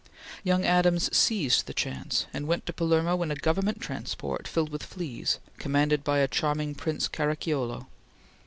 Young Adams seized the chance, and went to Palermo in a government transport filled with fleas, commanded by a charming Prince Caracciolo.